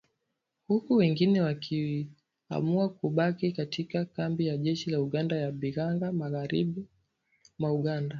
huku wengine wakiamua kubaki katika kambi ya jeshi la Uganda ya Bihanga, magharibi mwa Uganda